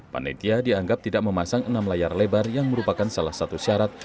panitia dianggap tidak memasang enam layar lebar yang merupakan salah satu syarat